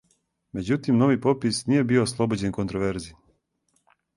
Међутим нови попис није био ослобођен контроверзи.